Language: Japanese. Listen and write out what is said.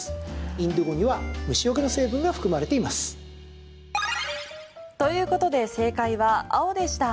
インディゴには虫よけの成分が含まれています。ということで正解は青でした。